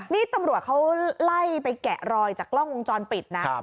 นี่ตำรวจเขาไล่ไปแกะรอยจากกล้องวงจรปิดนะ